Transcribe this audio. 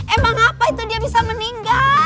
emang apa itu dia bisa meninggal